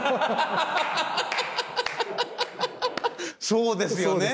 そうですよね。